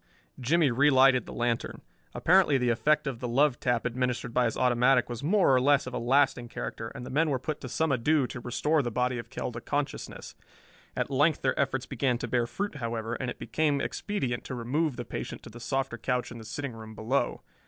Jimmie relighted the lantern. Apparently the effect of the love tap administered by his automatic was more or less of a lasting character, and the men were put to some ado to restore the body of Kell to consciousness. At length their efforts began to bear fruit, however, and it became expedient to remove the patient to the softer couch in the sitting room below.